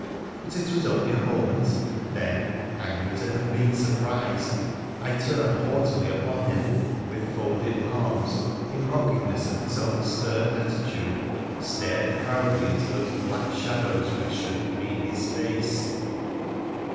But it was only a moment, then, angry to have been surprised, I turned haughtily upon him, and, with folded arms, in mockingness of his own stern attitude, stared proudly into those black shadows where should have been his face.